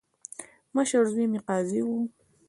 مشر زوی مې قاضي وو.